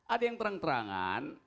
ada yang terang terangan